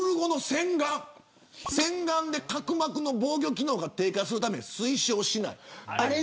洗眼で角膜の防御機能が低下するために推奨しない。